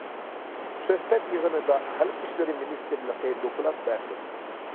سۆھبەت يىغىنىدا خەلق ئىشلىرى مىنىستىرلىقى دوكلات بەردى.